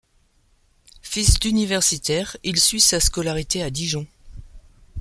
Fils d'universitaire, il suit sa scolarité à Dijon.